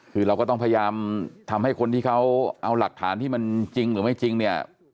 คือเราก็ต้องพยายามทำให้คนที่เขาเอาหลักฐานที่มันจริงหรือไม่จริงเนี่ย